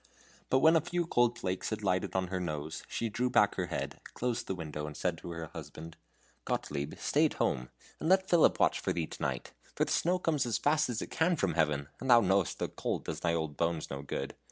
But when a few cold flakes had lighted on her nose, she drew back her head, closed the window, and said to her husband: "Gottlieb, stay at home, and let Philip watch for thee to night; for the snow comes as fast as it can from Heaven, and thou knowest the cold does thy old bones no good.